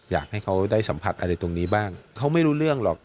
อยากให้เขาได้สัมผัสอะไรตรงนี้บ้างเขาไม่รู้เรื่องหรอก